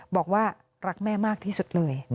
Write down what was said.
บอกว่ารักแม่มากที่สุดเลย